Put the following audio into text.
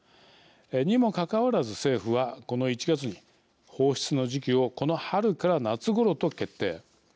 にもかかわらず政府は、この１月に放出の時期をこの春から夏ごろと決定。